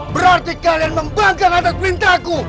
berarti kalian membanggang atas perintahku